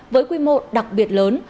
với quy mô đặc biệt lớn